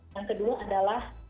yang kedua adalah